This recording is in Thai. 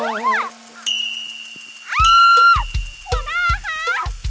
อ้าวหัวหน้าฮะ